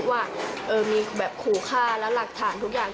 ว่ามีแบบขู่ฆ่าแล้วหลักฐานทุกอย่าง